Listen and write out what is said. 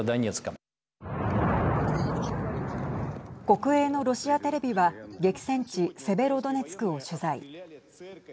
国営のロシアテレビは激戦地セベロドネツクを取材。